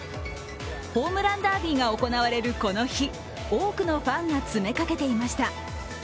ホームランダービーが行われるこの日、多くのファンが詰めかけていました。